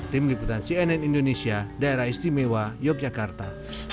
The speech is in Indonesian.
tim liputan cnn indonesia daerah istimewa yogyakarta